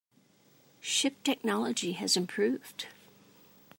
Ship technology has improved.